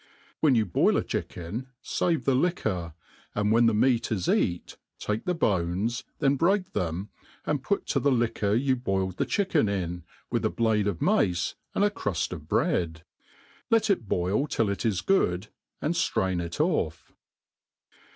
When you boil a chicken fave the liquor, and when the meat is ear, lake the bones, then break them, and put to the liquor you boiled th^ chicken in, with a blade pf mace, and a cruft of bread. Let it boil till it is good, and ftrain it off.